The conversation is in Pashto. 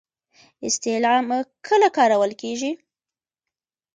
استعلام کله کارول کیږي؟